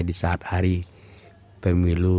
di saat hari pemilu